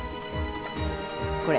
これ。